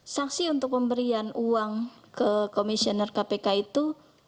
saksi untuk pemberian uang ke komisioner kpk itu